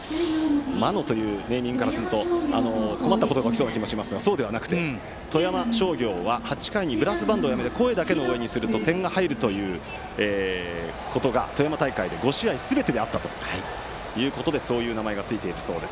「魔の」というネーミングからすると困ったことが起きそうですがそうではなくて富山商業は８回にブラスバンドの演奏をやめて声だけの応援にすると点が入るということが富山大会５試合すべてであったということでそういう名前がついているそうです。